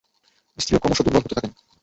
স্ত্রীও ক্রমশ দুর্বল হতে থাকেন।